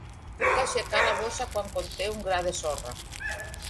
Puc aixecar la bossa quan conté un gra de sorra.